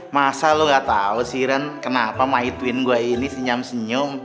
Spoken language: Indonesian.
masa lo gatau sih ren kenapa my twin gue ini senyum senyum